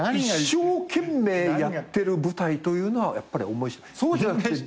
一生懸命やってる舞台というのはやっぱり面白い。